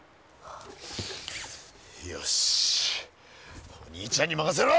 よしお兄ちゃんに任せろ！